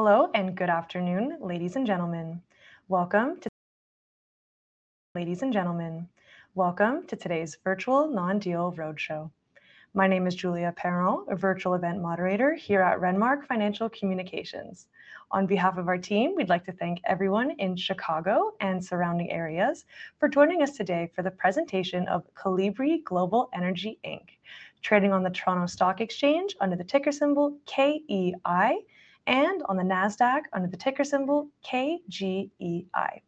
Hello and good afternoon, ladies and gentlemen. Welcome to... Ladies and gentlemen, welcome to today's virtual non-DEAL roadshow. My name is Julia Perron, a virtual event moderator here at Renmark Financial Communications. On behalf of our team, we'd like to thank everyone in Chicago and surrounding areas for joining us today for the presentation of Kolibri Global Energy Inc, trading on the Toronto Stock Exchange under the ticker symbol KEI, and on the NASDAQ under the ticker symbol KGEI.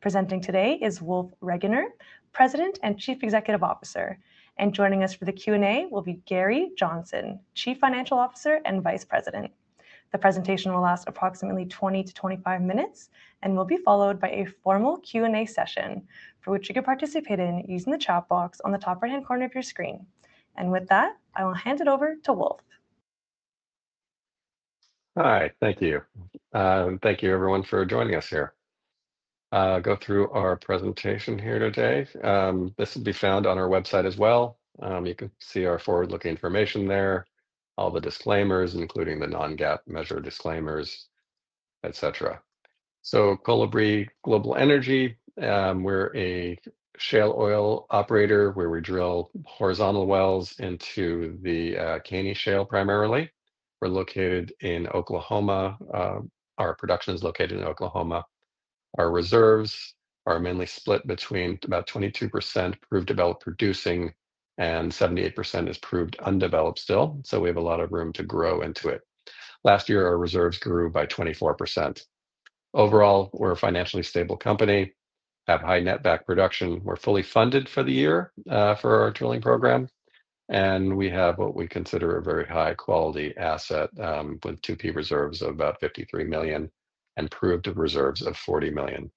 Presenting today is Wolf Regener, President and Chief Executive Officer, and joining us for the Q&A will be Gary Johnson, Chief Financial Officer and Vice President. The presentation will last approximately 20 to 25 minutes and will be followed by a formal Q&A session for which you can participate in using the chat box on the top right-hand corner of your screen. With that, I will hand it over to Wolf. All right, thank you. Thank you, everyone, for joining us here. I'll go through our presentation here today. This will be found on our website as well. You can see our forward-looking information there, all the disclaimers, including the non-GAAP measure disclaimers, et cetera. Kolibri Global Energy, we're a shale oil operator where we drill horizontal wells into the Caney Shale primarily. We're located in Oklahoma. Our production is located in Oklahoma. Our reserves are mainly split between about 22% proved developed producing and 78% is proved undeveloped still. We have a lot of room to grow into it. Last year, our reserves grew by 24%. Overall, we're a financially stable company, have high netback production. We're fully funded for the year for our drilling program, and we have what we consider a very high-quality asset with 2P reserves of about 53 million and proved reserves of 40 million.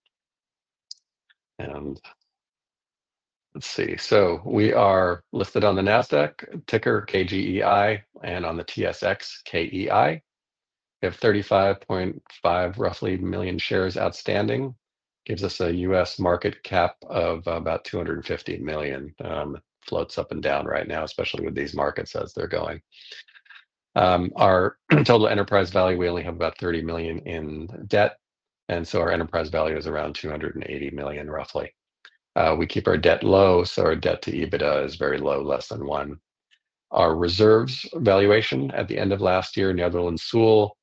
Let's see. We are listed on the NASDAQ, ticker KGEI, and on the TSX, KEI. We have roughly 35.5 million shares outstanding, gives us a U.S. market cap of about $250 million. It floats up and down right now, especially with these markets as they're going. Our total enterprise value, we only have about $30 million in debt, and our enterprise value is around $280 million roughly. We keep our debt low, so our debt to EBITDA is very low, less than one. Our reserves valuation at the end of last year in the other one, Sewell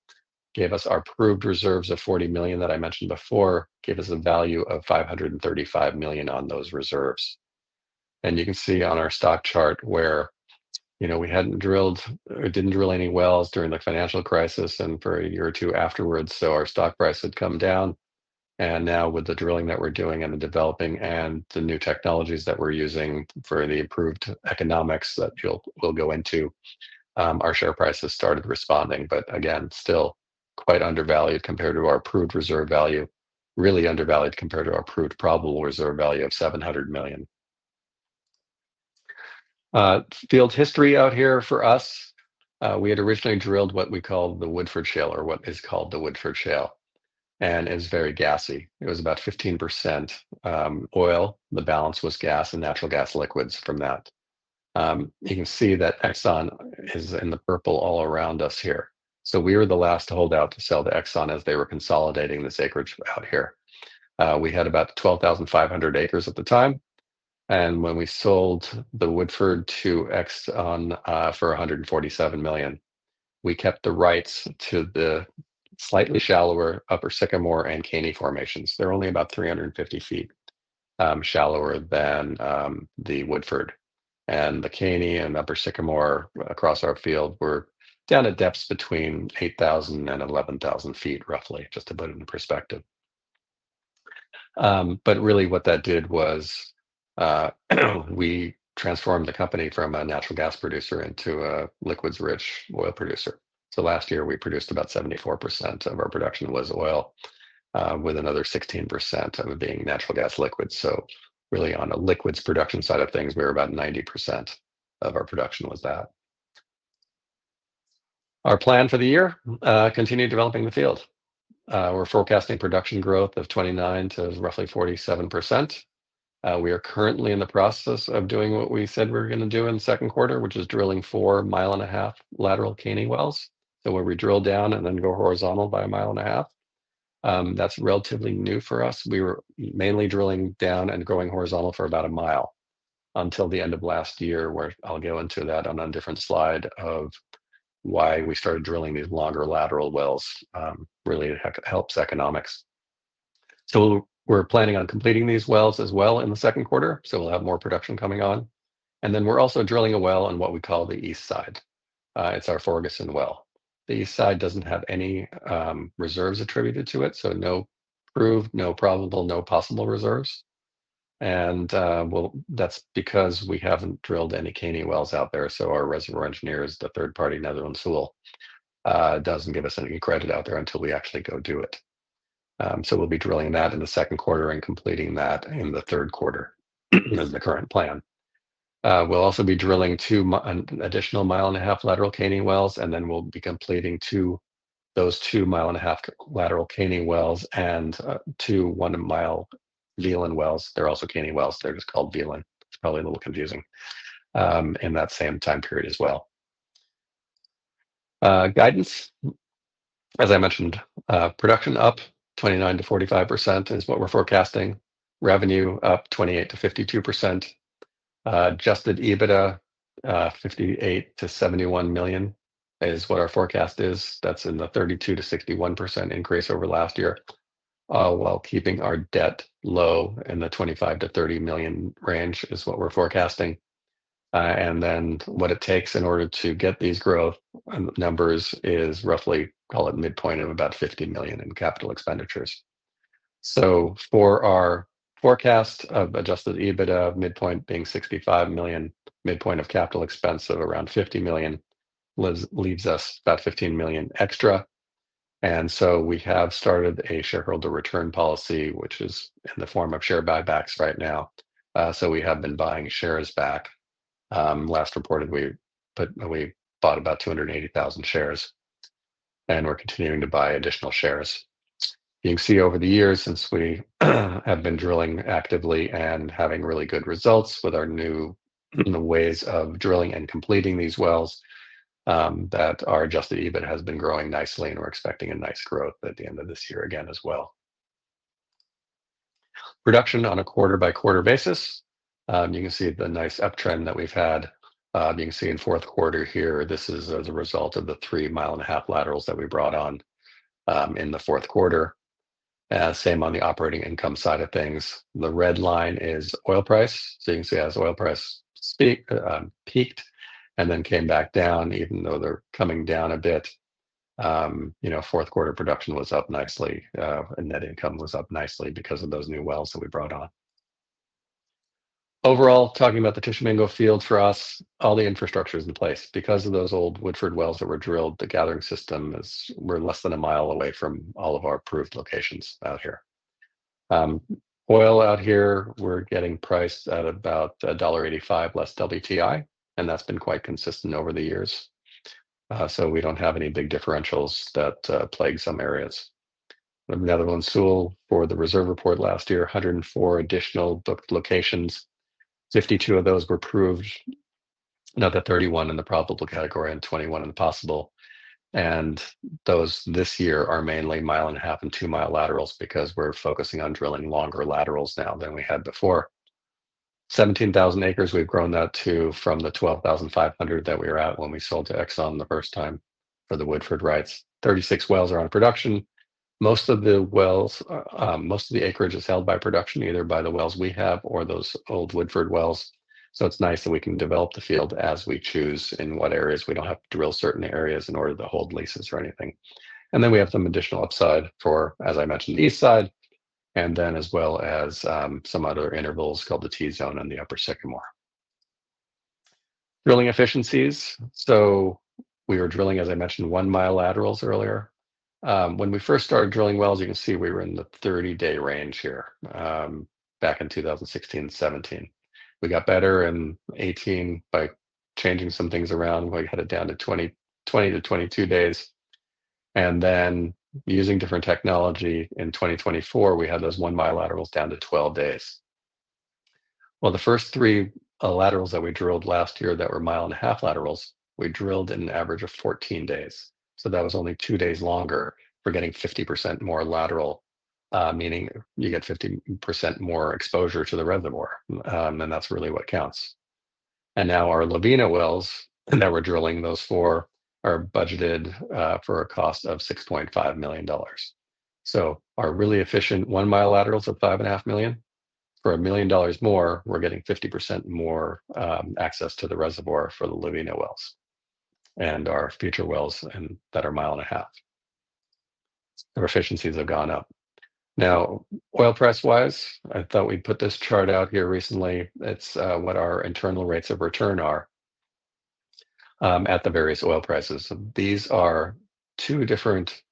gave us our proved reserves of 40 million that I mentioned before, gave us a value of $535 million on those reserves. You can see on our stock chart where, you know, we hadn't drilled or didn't drill any wells during the financial crisis and for a year or two afterwards, so our stock price had come down. Now with the drilling that we're doing and the developing and the new technologies that we're using for the improved economics that we'll go into, our share price has started responding, but again, still quite undervalued compared to our proved reserve value, really undervalued compared to our proved probable reserve value of $700 million. Field history out here for us. We had originally drilled what we call the Woodford Shale or what is called the Woodford Shale, and it's very gassy. It was about 15% oil. The balance was gas and natural gas liquids from that. You can see that Exxon is in the purple all around us here. We were the last to hold out to sell to Exxon as they were consolidating the acreage out here. We had about 12,500 acres at the time. When we sold the Woodford to Exxon for $147 million, we kept the rights to the slightly shallower Upper Sycamore and Caney formations. They are only about 350 ft shallower than the Woodford. The Caney and Upper Sycamore across our field were down at depths between 8,000 and 11,000 ft roughly, just to put it in perspective. What that did was we transformed the company from a natural gas producer into a liquids-rich oil producer. Last year, we produced about 74% of our production was oil, with another 16% of it being natural gas liquids. On a liquids production side of things, we were about 90% of our production was that. Our plan for the year: continue developing the field. We're forecasting production growth of 29-47%. We are currently in the process of doing what we said we were going to do in the second quarter, which is drilling four mile and a half lateral Caney wells, where we drill down and then go horizontal by a mile and a half. That's relatively new for us. We were mainly drilling down and growing horizontal for about a mile until the end of last year, where I'll go into that on a different slide of why we started drilling these longer lateral wells. It really helps economics. We are planning on completing these wells as well in the second quarter, so we will have more production coming on. We are also drilling a well on what we call the east side. It is our Ferguson well. The east side does not have any reserves attributed to it, so no proved, no probable, no possible reserves. That is because we have not drilled any Caney wells out there. Our reservoir engineers, the third party Netherland, Sewell, do not give us any credit out there until we actually go do it. We will be drilling that in the second quarter and completing that in the third quarter as the current plan. We'll also be drilling two additional mile and a half lateral Caney wells, and then we'll be completing those two mile and a half lateral Caney wells and two one mile Veland wells. They're also Caney wells. They're just called Veland. It's probably a little confusing in that same time period as well. Guidance, as I mentioned, production up 29-45% is what we're forecasting. Revenue up 28%-52%. Adjusted EBITDA $58 million-$71 million is what our forecast is. That's in the 32%-61% increase over last year, while keeping our debt low in the $25 million-$30 million range is what we're forecasting. What it takes in order to get these growth numbers is roughly, call it midpoint of about $50 million in capital expenditures. For our forecast of adjusted EBITDA, midpoint being $65 million, midpoint of capital expense of around $50 million leaves us about $15 million extra. We have started a shareholder return policy, which is in the form of share buybacks right now. We have been buying shares back. Last reported, we bought about 280,000 shares, and we're continuing to buy additional shares. You can see over the years since we have been drilling actively and having really good results with our new ways of drilling and completing these wells, that our adjusted EBITDA has been growing nicely, and we're expecting a nice growth at the end of this year again as well. Production on a quarter-by-quarter basis. You can see the nice uptrend that we've had. You can see in fourth quarter here, this is as a result of the three mile and a half laterals that we brought on in the fourth quarter. Same on the operating income side of things. The red line is oil price. You can see as oil price peaked and then came back down, even though they're coming down a bit, you know, fourth quarter production was up nicely, and net income was up nicely because of those new wells that we brought on. Overall, talking about the Tishomingo Field for us, all the infrastructure is in place. Because of those old Woodford wells that were drilled, the gathering system is we're less than a mile away from all of our proved locations out here. Oil out here, we're getting priced at about $1.85 less WTI, and that's been quite consistent over the years. We do not have any big differentials that plague some areas. Netherland, Sewell for the reserve report last year, 104 additional booked locations. Fifty-two of those were proved, another 31 in the probable category, and 21 in the possible. Those this year are mainly mile and a half and two mile laterals because we are focusing on drilling longer laterals now than we had before. Seventeen thousand acres, we have grown that to from the 12,500 that we were at when we sold to Exxon the first time for the Woodford rights. Thirty-six wells are on production. Most of the wells, most of the acreage is held by production either by the wells we have or those old Woodford wells. It is nice that we can develop the field as we choose in what areas. We do not have to drill certain areas in order to hold leases or anything. We have some additional upside for, as I mentioned, the east side, as well as some other intervals called the T zone on the Upper Sycamore. Drilling efficiencies. We were drilling, as I mentioned, one mile laterals earlier. When we first started drilling wells, you can see we were in the 30-day range here back in 2016 and 2017. We got better in 2018 by changing some things around. We had it down to 20-22 days. Using different technology in 2024, we had those one mile laterals down to 12 days. The first three laterals that we drilled last year that were mile and a half laterals, we drilled in an average of 14 days. That was only two days longer. We're getting 50% more lateral, meaning you get 50% more exposure to the reservoir, and that's really what counts. Now our Levina wells that we're drilling, those four are budgeted for a cost of $6.5 million. Our really efficient one mile laterals are $5.5 million. For a million dollars more, we're getting 50% more access to the reservoir for the Levina wells and our future wells that are mile and a half. Our efficiencies have gone up. Now, oil price-wise, I thought we'd put this chart out here recently. It's what our internal rates of return are at the various oil prices. These are two different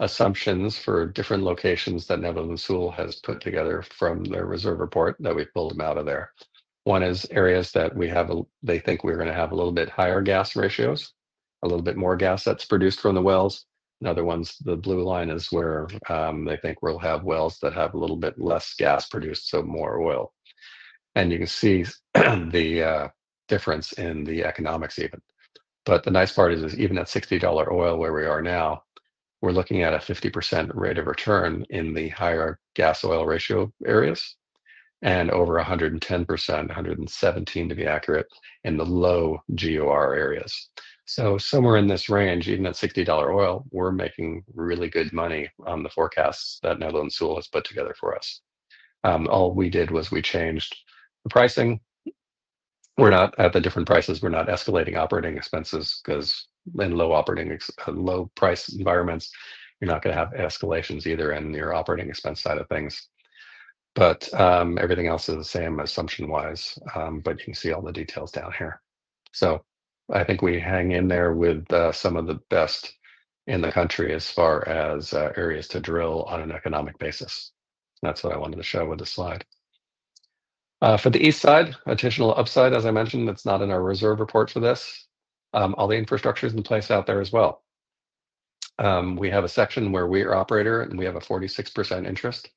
assumptions for different locations that Netherland, Sewell has put together from their reserve report that we pulled them out of there. One is areas that we have, they think we're going to have a little bit higher gas ratios, a little bit more gas that's produced from the wells. Another one's the blue line is where they think we'll have wells that have a little bit less gas produced, so more oil. You can see the difference in the economics even. The nice part is even at $60 oil where we are now, we're looking at a 50% rate of return in the higher gas oil ratio areas and over 110%, 117% to be accurate, in the low GOR areas. Somewhere in this range, even at $60 oil, we're making really good money on the forecasts that Netherland, Sewell has put together for us. All we did was we changed the pricing. We're not at the different prices. We're not escalating operating expenses because in low operating, low price environments, you're not going to have escalations either in your operating expense side of things. Everything else is the same assumption-wise, but you can see all the details down here. I think we hang in there with some of the best in the country as far as areas to drill on an economic basis. That's what I wanted to show with the slide. For the east side, additional upside, as I mentioned, it's not in our reserve report for this. All the infrastructure is in place out there as well. We have a section where we are operator, and we have a 46% interest.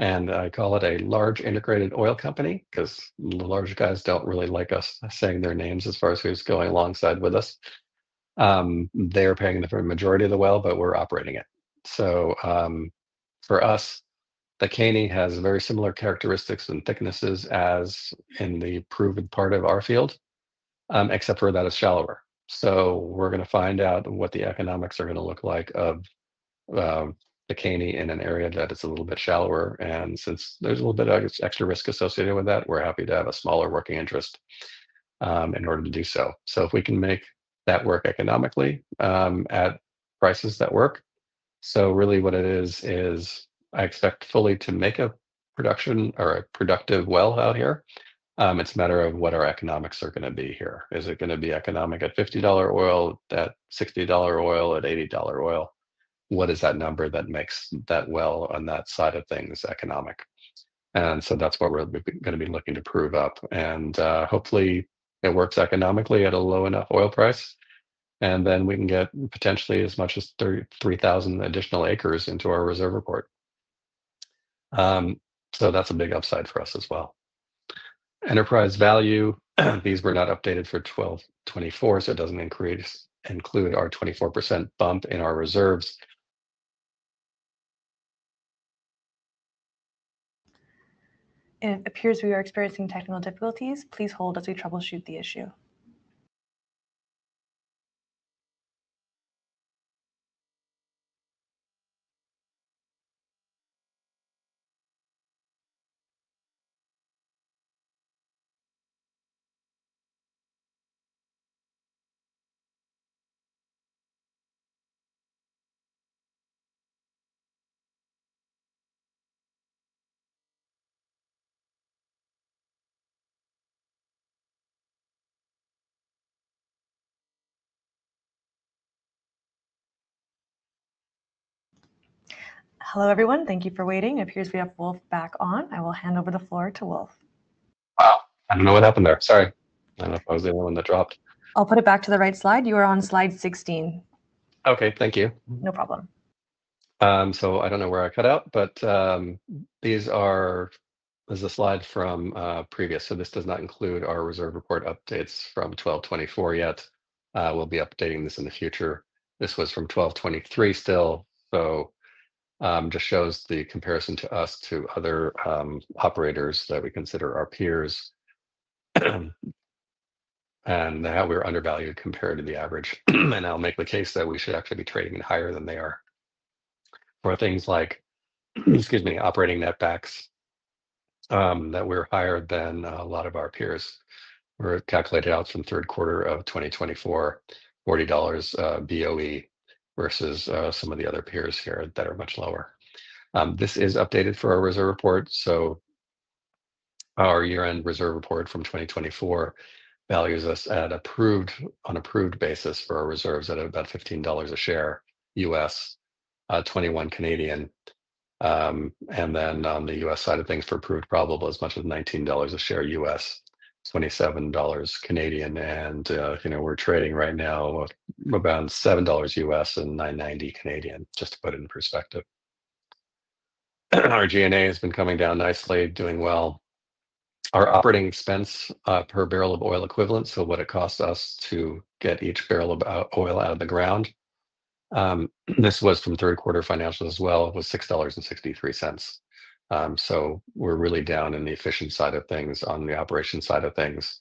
I call it a large integrated oil company because the large guys don't really like us saying their names as far as who's going alongside with us. They're paying the majority of the well, but we're operating it. For us, the Caney has very similar characteristics and thicknesses as in the proven part of our field, except for that it's shallower. We're going to find out what the economics are going to look like of the Caney in an area that it's a little bit shallower. Since there's a little bit of extra risk associated with that, we're happy to have a smaller working interest in order to do so. If we can make that work economically at prices that work. What it is, is I expect fully to make a production or a productive well out here. It's a matter of what our economics are going to be here. Is it going to be economic at $50 oil? At $60 oil? At $80 oil? What is that number that makes that well on that side of things economic? That is what we are going to be looking to prove up. Hopefully it works economically at a low enough oil price. We can get potentially as much as 3,000 additional acres into our reserve report. That is a big upside for us as well. Enterprise value, these were not updated for 2024, so it does not include our 24% bump in our reserves. It appears we are experiencing technical difficulties. Please hold as we troubleshoot the issue. Hello everyone. Thank you for waiting. It appears we have Wolf back on. I will hand over the floor to Wolf. Wow. I don't know what happened there. Sorry. I don't know if I was the only one that dropped. I'll put it back to the right slide. You were on slide 16. Okay. Thank you. No problem. I don't know where I cut out, but these are, this is a slide from previous. This does not include our reserve report updates from December 2024 yet. We'll be updating this in the future. This was from December 2023 still. It just shows the comparison to us to other operators that we consider our peers and how we're undervalued compared to the average. I'll make the case that we should actually be trading higher than they are for things like, excuse me, operating netbacks, that we're higher than a lot of our peers. We're calculated out from third quarter of 2024, $40 BOE versus some of the other peers here that are much lower. This is updated for our reserve report. Our year-end reserve report from 2024 values us at approved, unapproved basis for our reserves at about $15 a share US, 21. On the U.S. side of things for approved probable, as much as $19 a share U.S., 27 dollars. And we're trading right now about $7 U.S. and 9.90, just to put it in perspective. Our G&A has been coming down nicely, doing well. Our operating expense per barrel of oil equivalent, so what it costs us to get each barrel of oil out of the ground. This was from third quarter financials as well. It was $6.63. We're really down in the efficient side of things on the operation side of things.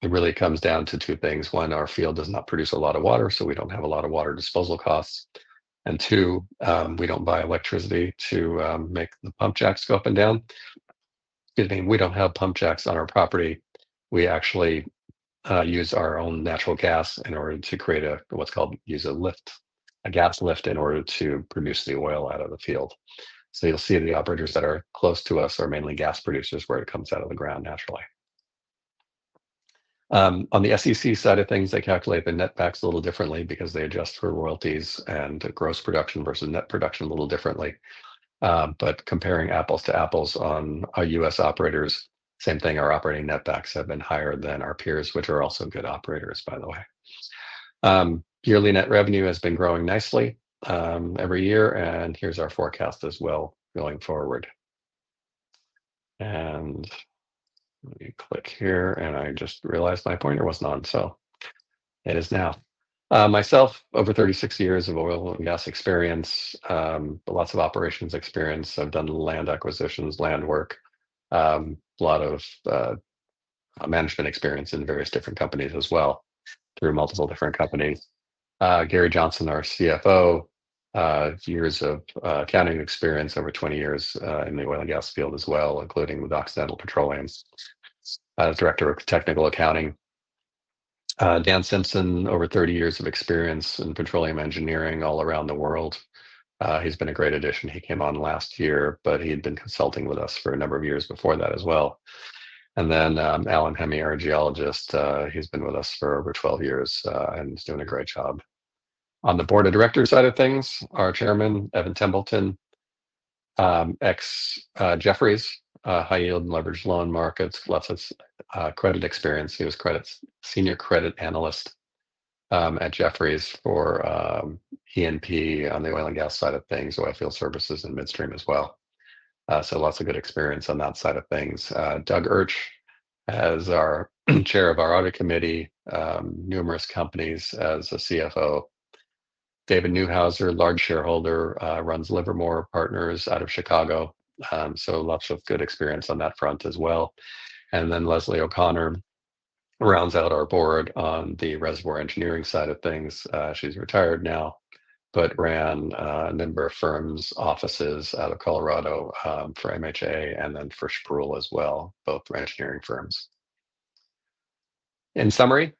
It really comes down to two things. One, our field does not produce a lot of water, so we don't have a lot of water disposal costs. Two, we don't buy electricity to make the pump jacks go up and down. Excuse me, we don't have pump jacks on our property. We actually use our own natural gas in order to create what's called a gas lift in order to produce the oil out of the field. You will see the operators that are close to us are mainly gas producers where it comes out of the ground naturally. On the SEC side of things, they calculate the net backs a little differently because they adjust for royalties and gross production versus net production a little differently. Comparing apples to apples on our US operators, same thing, our operating net backs have been higher than our peers, which are also good operators, by the way. Yearly net revenue has been growing nicely every year. Here is our forecast as well going forward. Let me click here, and I just realized my pointer was not on, so it is now. Myself, over 36 years of oil and gas experience, lots of operations experience. I've done land acquisitions, land work, a lot of management experience in various different companies as well through multiple different companies. Gary Johnson, our CFO, years of accounting experience, over 20 years in the oil and gas field as well, including with Occidental Petroleum. Director of technical accounting. Dan Simpson, over 30 years of experience in petroleum engineering all around the world. He's been a great addition. He came on last year, but he had been consulting with us for a number of years before that as well. Alan Hemmer, our geologist, he's been with us for over 12 years and is doing a great job. On the board of directors side of things, our chairman, Evan Templeton, ex-Jefferies, high yield and leveraged loan markets, lots of credit experience. He was senior credit analyst at Jefferies for E&P on the oil and gas side of things, oil field services and midstream as well. Lots of good experience on that side of things. Doug Urch is our chair of our audit committee, numerous companies as a CFO. David Neuhauser, large shareholder, runs Livermore Partners out of Chicago. Lots of good experience on that front as well. Leslie O'Connor rounds out our board on the reservoir engineering side of things. She's retired now, but ran a number of firms, offices out of Colorado for MHA and then for Sproule as well, both engineering firms. In summary,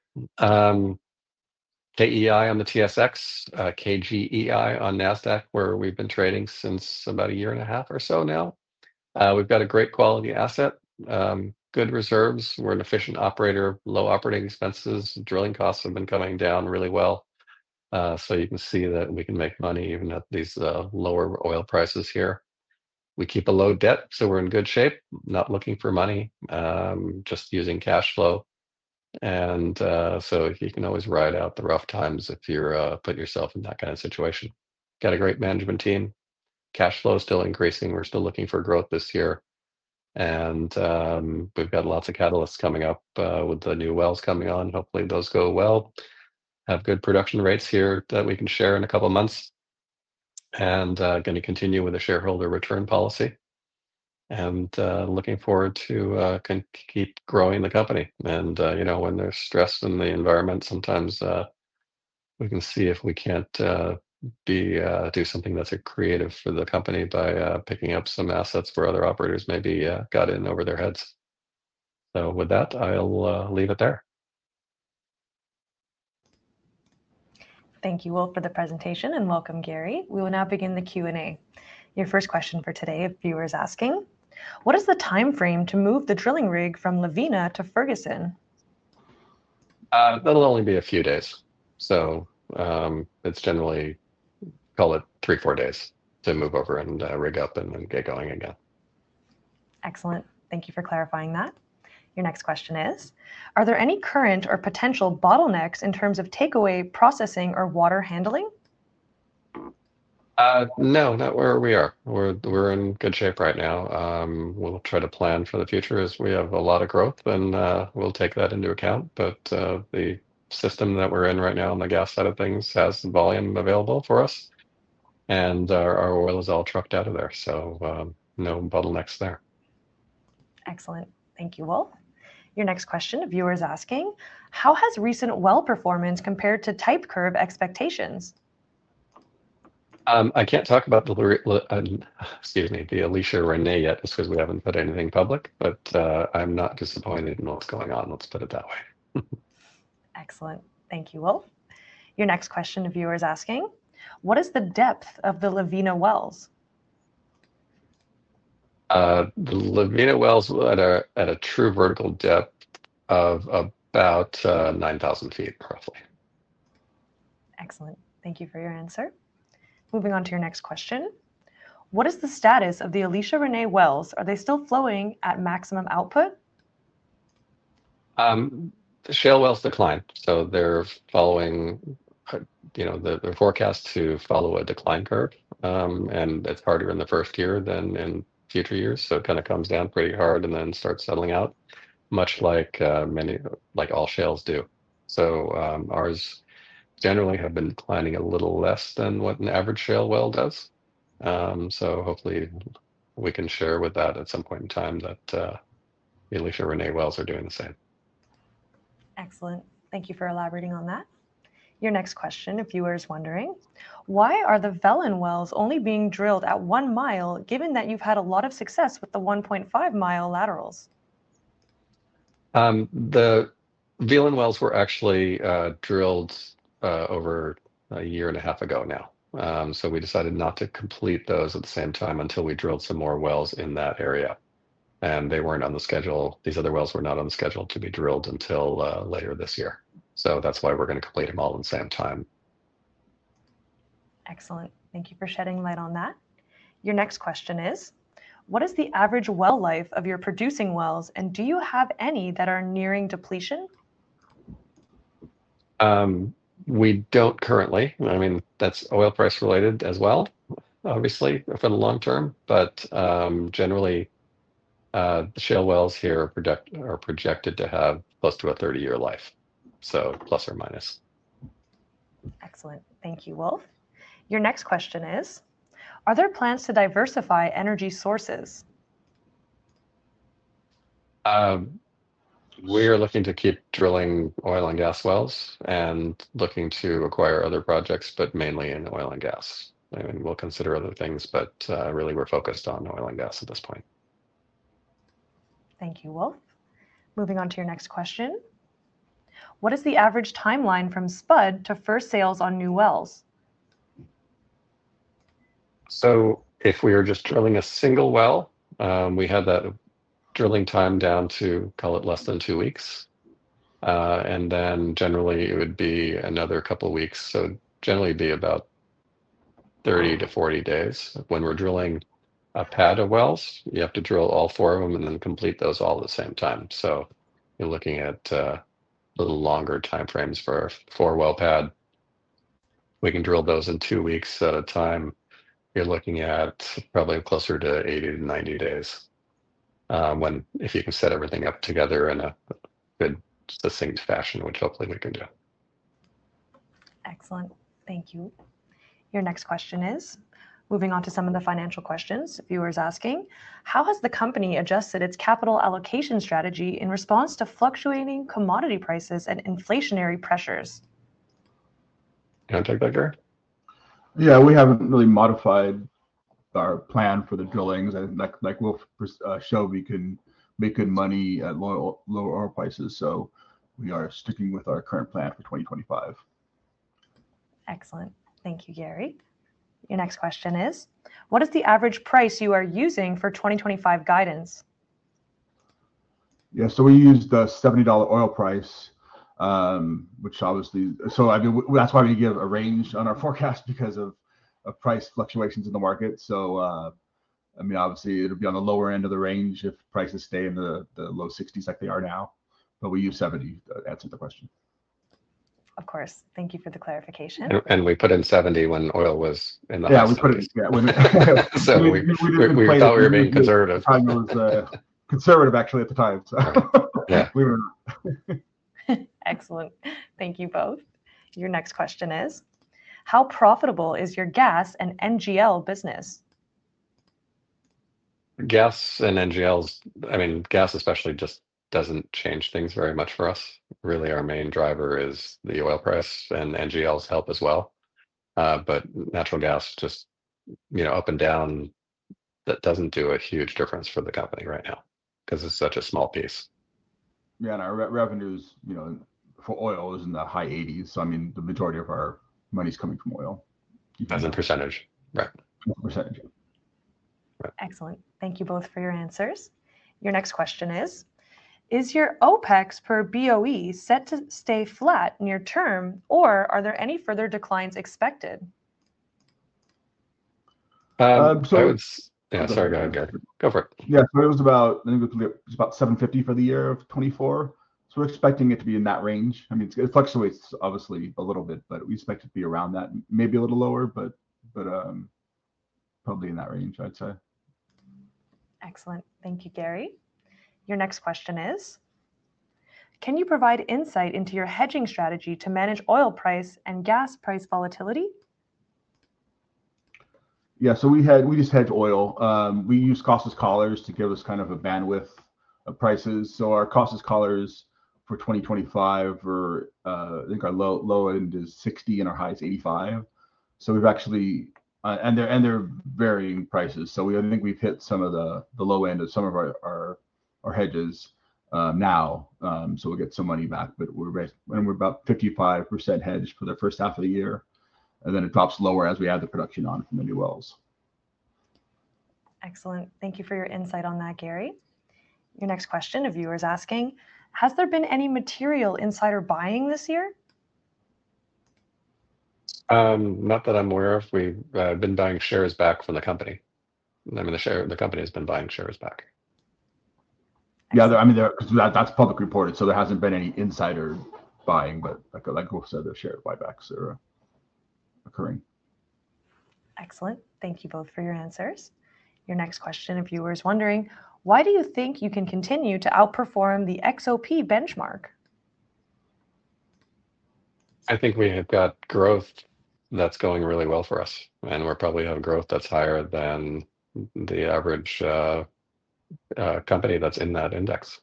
KEI on the TSX, KGEI on NASDAQ, where we've been trading since about a year and a half or so now. We've got a great quality asset, good reserves. We're an efficient operator, low operating expenses. Drilling costs have been coming down really well. You can see that we can make money even at these lower oil prices here. We keep a low debt, so we're in good shape, not looking for money, just using cash flow. You can always ride out the rough times if you put yourself in that kind of situation. Got a great management team. Cash flow is still increasing. We're still looking for growth this year. We've got lots of catalysts coming up with the new wells coming on. Hopefully those go well. Have good production rates here that we can share in a couple of months. Going to continue with a shareholder return policy. Looking forward to keep growing the company. When there's stress in the environment, sometimes we can see if we can't do something that's creative for the company by picking up some assets where other operators maybe got in over their heads. With that, I'll leave it there. Thank you all for the presentation and welcome, Gary. We will now begin the Q&A. Your first question for today, viewers asking, what is the timeframe to move the drilling rig from Levina to Ferguson? That'll only be a few days. It is generally, call it three, four days to move over and rig up and then get going again. Excellent. Thank you for clarifying that. Your next question is, are there any current or potential bottlenecks in terms of takeaway processing or water handling? No, not where we are. We're in good shape right now. We'll try to plan for the future as we have a lot of growth, and we'll take that into account. The system that we're in right now on the gas side of things has volume available for us. Our oil is all trucked out of there. No bottlenecks there. Excellent. Thank you, Wolf. Your next question, viewers asking, how has recent well performance compared to type curve expectations? I can't talk about the, excuse me, the Alicia Renee yet just because we haven't put anything public, but I'm not disappointed in what's going on. Let's put it that way. Excellent. Thank you, Wolf. Your next question, viewers asking, what is the depth of the Levina wells? The Levina wells are at a true vertical depth of about 9,000 ft roughly. Excellent. Thank you for your answer. Moving on to your next question. What is the status of the Alicia Renee wells? Are they still flowing at maximum output? Shale wells decline. They are following their forecast to follow a decline curve. It is harder in the first year than in future years. It kind of comes down pretty hard and then starts settling out, much like all shales do. Ours generally have been declining a little less than what an average shale well does. Hopefully we can share with that at some point in time that the Alicia Renee wells are doing the same. Excellent. Thank you for elaborating on that. Your next question, viewers wondering, why are the Veland wells only being drilled at one mile given that you've had a lot of success with the 1.5 mile laterals? The Veland wells were actually drilled over a year and a half ago now. We decided not to complete those at the same time until we drilled some more wells in that area. They were not on the schedule. These other wells were not on the schedule to be drilled until later this year. That is why we are going to complete them all at the same time. Excellent. Thank you for shedding light on that. Your next question is, what is the average well life of your producing wells and do you have any that are nearing depletion? We don't currently. I mean, that's oil price related as well, obviously, for the long term. Generally, the shale wells here are projected to have close to a 30-year life, so plus or minus. Excellent. Thank you, Wolf. Your next question is, are there plans to diversify energy sources? We are looking to keep drilling oil and gas wells and looking to acquire other projects, but mainly in oil and gas. I mean, we'll consider other things, but really we're focused on oil and gas at this point. Thank you, Wolf. Moving on to your next question. What is the average timeline from spud to first sales on new wells? If we are just drilling a single well, we have that drilling time down to, call it, less than two weeks. And then generally it would be another couple of weeks. Generally, it would be about 30-40 days. When we're drilling a pad of wells, you have to drill all four of them and then complete those all at the same time. You're looking at a little longer timeframes for a four well pad. We can drill those in two weeks at a time. You're looking at probably closer to 80-90 days if you can set everything up together in a good succinct fashion, which hopefully we can do. Excellent. Thank you. Your next question is, moving on to some of the financial questions, viewers asking, how has the company adjusted its capital allocation strategy in response to fluctuating commodity prices and inflationary pressures? Can I take that, Gary? Yeah, we haven't really modified our plan for the drillings. Like Wolf showed, we can make good money at lower oil prices. We are sticking with our current plan for 2025. Excellent. Thank you, Gary. Your next question is, what is the average price you are using for 2025 guidance? Yeah, so we use the $70 oil price, which obviously, so that's why we give a range on our forecast because of price fluctuations in the market. I mean, obviously it would be on the lower end of the range if prices stay in the low 60s like they are now. We use 70 to answer the question. Of course. Thank you for the clarification. We put in $70 when oil was in the highs. Yeah, we put it. We thought we were being conservative. Actually, at the time, we were not. Excellent. Thank you both. Your next question is, how profitable is your gas and NGL business? Gas and NGLs, I mean, gas especially just doesn't change things very much for us. Really, our main driver is the oil price and NGLs help as well. Natural gas just up and down, that doesn't do a huge difference for the company right now because it's such a small piece. Yeah, and our revenues for oil is in the high $80s. I mean, the majority of our money is coming from oil. As a percentage. Right. As a percentage. Excellent. Thank you both for your answers. Your next question is, is your OPEX per BOE set to stay flat near term or are there any further declines expected? So it's. Yeah, sorry, go ahead, Gary. Go for it. Yeah, so it was about, I think it was about $750,000 for the year of 2024. We are expecting it to be in that range. I mean, it fluctuates obviously a little bit, but we expect it to be around that, maybe a little lower, but probably in that range, I'd say. Excellent. Thank you, Gary. Your next question is, can you provide insight into your hedging strategy to manage oil price and gas price volatility? Yeah, so we just hedge oil. We use costless collars to give us kind of a bandwidth of prices. Our costless collars for 2025, I think our low end is $60 and our high is $85. We've actually, and they're varying prices. I think we've hit some of the low end of some of our hedges now. We'll get some money back, but we're about 55% hedged for the first half of the year. Then it drops lower as we add the production on from the new wells. Excellent. Thank you for your insight on that, Gary. Your next question, a viewer is asking, has there been any material insider buying this year? Not that I'm aware of. We've been buying shares back from the company. I mean, the company has been buying shares back. Yeah, I mean, that's public reported. So there hasn't been any insider buying, but like Wolf said, the share buybacks are occurring. Excellent. Thank you both for your answers. Your next question, a viewer is wondering, why do you think you can continue to outperform the XOP benchmark? I think we have got growth that's going really well for us. We're probably have growth that's higher than the average company that's in that index.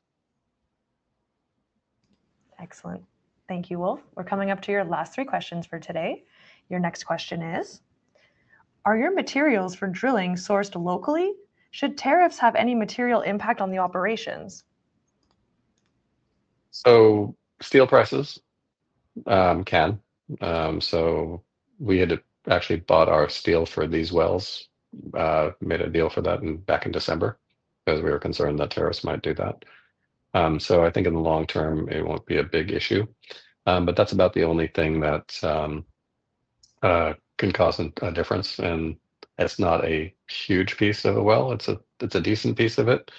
Excellent. Thank you, Wolf. We're coming up to your last three questions for today. Your next question is, are your materials for drilling sourced locally? Should tariffs have any material impact on the operations? Steel prices can. We had actually bought our steel for these wells, made a deal for that back in December because we were concerned that tariffs might do that. I think in the long term, it will not be a big issue. That is about the only thing that can cause a difference. It is not a huge piece of a well. It is a decent piece of it.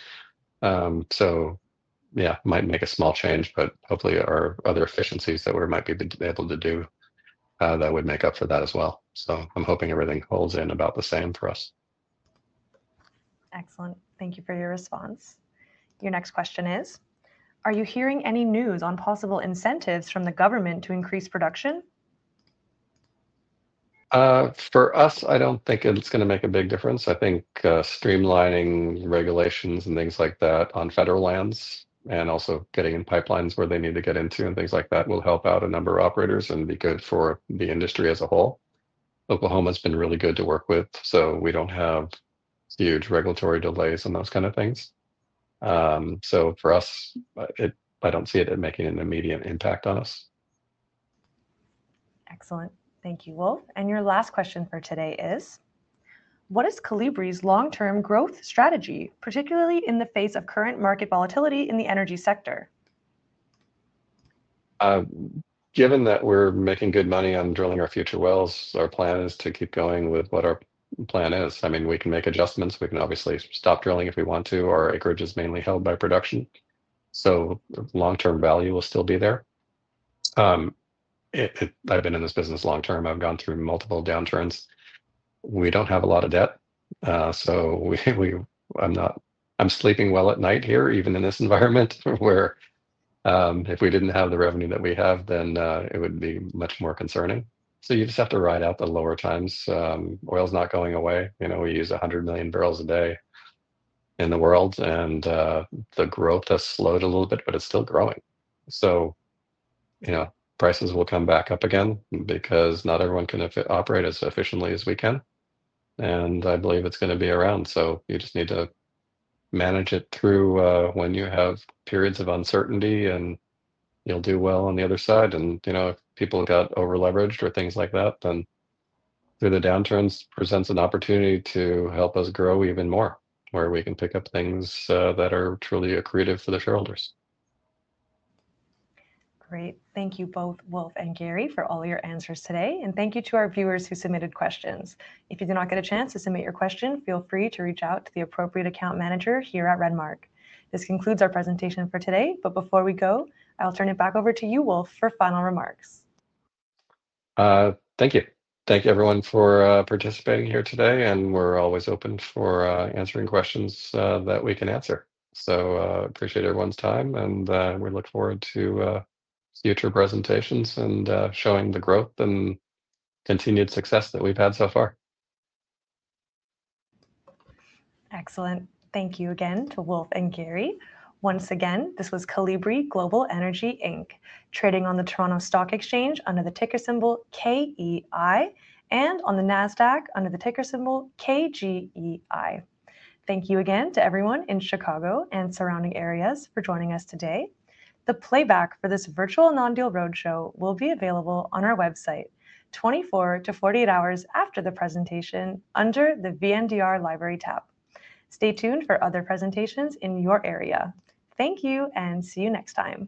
Yeah, might make a small change, but hopefully our other efficiencies that we might be able to do would make up for that as well. I am hoping everything holds in about the same for us. Excellent. Thank you for your response. Your next question is, are you hearing any news on possible incentives from the government to increase production? For us, I don't think it's going to make a big difference. I think streamlining regulations and things like that on federal lands and also getting in pipelines where they need to get into and things like that will help out a number of operators and be good for the industry as a whole. Oklahoma has been really good to work with. We don't have huge regulatory delays on those kind of things. For us, I don't see it making an immediate impact on us. Excellent. Thank you, Wolf. Your last question for today is, what is Kolibri's long-term growth strategy, particularly in the face of current market volatility in the energy sector? Given that we're making good money on drilling our future wells, our plan is to keep going with what our plan is. I mean, we can make adjustments. We can obviously stop drilling if we want to. Our acreage is mainly held by production. Long-term value will still be there. I've been in this business long term. I've gone through multiple downturns. We don't have a lot of debt. I'm sleeping well at night here, even in this environment where if we didn't have the revenue that we have, then it would be much more concerning. You just have to ride out the lower times. Oil's not going away. We use 100 million barrels a day in the world. The growth has slowed a little bit, but it's still growing. Prices will come back up again because not everyone can operate as efficiently as we can. I believe it's going to be around. You just need to manage it through when you have periods of uncertainty and you'll do well on the other side. If people got overleveraged or things like that, then through the downturns presents an opportunity to help us grow even more where we can pick up things that are truly accretive for the shareholders. Great. Thank you both, Wolf and Gary, for all your answers today. Thank you to our viewers who submitted questions. If you did not get a chance to submit your question, feel free to reach out to the appropriate account manager here at Renmark. This concludes our presentation for today. Before we go, I'll turn it back over to you, Wolf, for final remarks. Thank you. Thank you, everyone, for participating here today. We are always open for answering questions that we can answer. We appreciate everyone's time. We look forward to future presentations and showing the growth and continued success that we have had so far. Excellent. Thank you again to Wolf and Gary. Once again, this was Kolibri Global Energy Inc, trading on the Toronto Stock Exchange under the ticker symbol KEI and on the NASDAQ under the ticker symbol KGEI. Thank you again to everyone in Chicago and surrounding areas for joining us today. The playback for this virtual non-deal roadshow will be available on our website 24-48 hours after the presentation under the VNDR Library tab. Stay tuned for other presentations in your area. Thank you and see you next time.